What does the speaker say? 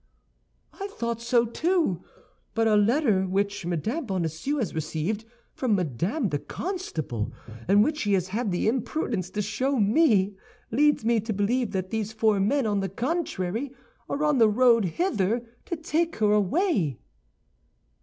"I thought so, too; but a letter which Madame Bonacieux has received from Madame the Constable, and which she has had the imprudence to show me, leads me to believe that these four men, on the contrary, are on the road hither to take her away."